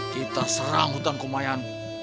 kita serang hutan kumayan